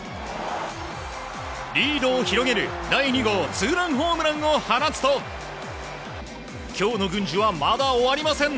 リードを広げる、第２号ツーランホームランを放つと今日の郡司はまだ終わりません。